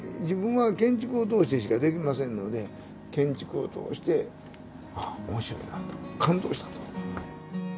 自分は建築を通してしかできませんので、建築を通して、ああ、おもしろいなぁと、感動したと。